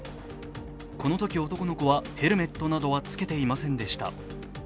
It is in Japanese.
このとき男の子はヘルメットなどはつけていませんでした。